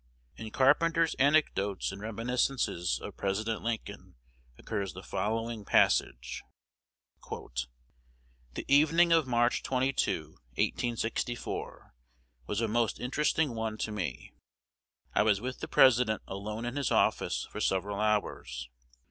In Carpenter's "Anecdotes and Reminiscences of President Lincoln," occurs the following passage: ? "The evening of March 22, 1864, was a most interesting one to me. I was with the President alone in his office for several hours.